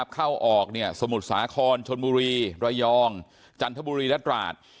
เข้าออกสมุทรสาครชนบุรีระยองจันทบุรีและตราด